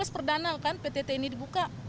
dua ribu tiga belas perdana kan ptt ini dibuka